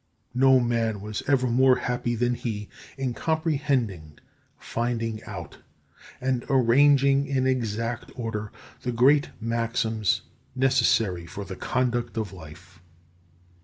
No man was ever more happy than he in comprehending, finding out, and arranging in exact order the great maxims necessary for the conduct of life.